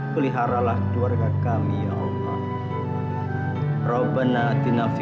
peliharalah keluarga kami